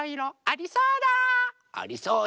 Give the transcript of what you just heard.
ありそうだ。